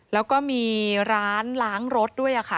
แล้วก็มีร้านล้างรถด้วยค่ะ